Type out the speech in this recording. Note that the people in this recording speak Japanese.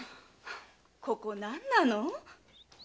ここ何なの？